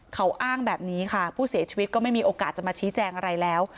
เขาอ้างแบบนี้ค่ะผู้เสียชีวิตก็ไม่มีโอกาสจะมาชี้แจงอะไรแล้ว